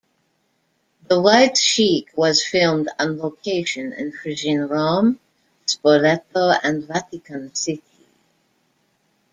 "The White Sheik" was filmed on location in Fregene, Rome, Spoleto and Vatican City.